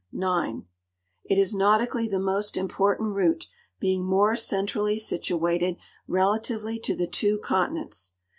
9. It is nautically the most important route, being more cen trally situated relatively to the two continents.